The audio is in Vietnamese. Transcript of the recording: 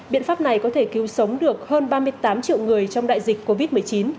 biện pháp này có thể cứu sống được hơn ba mươi tám triệu người trong đại dịch covid một mươi chín